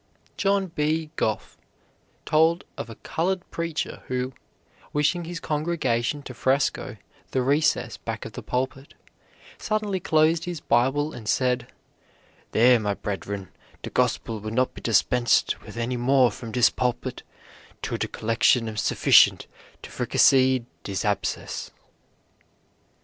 John B. Gough told of a colored preacher who, wishing his congregation to fresco the recess back of the pulpit, suddenly closed his Bible and said, "There, my bredren, de Gospel will not be dispensed with any more from dis pulpit till de collection am sufficient to fricassee dis abscess."